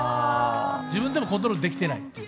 自分でもコントロールできてない。